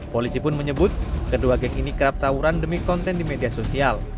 polisi pun menyebut kedua gang ini kerap tawuran demi konten di media sosial